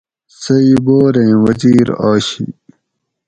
سہ ئ بوریں وزیر آشی